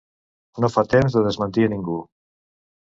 No fa temps de desmentir a ningú.